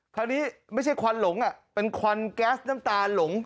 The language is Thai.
คราวนี้ไม่ใช่ควันหลงเป็นควันแก๊สน้ำตาหลง